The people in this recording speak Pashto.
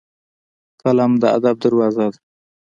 قلم د ادب دروازه ده